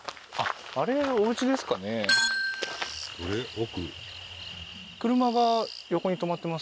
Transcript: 奥？